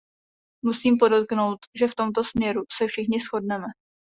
Musím podotknout, že v tomto směru se všichni shodneme.